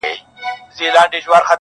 ورته جوړ به د قامونو انجمن سي!!